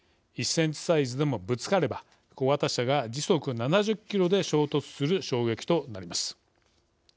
１ｃｍサイズでも、ぶつかれば小型車が時速７０ｋｍで衝突する衝撃となります。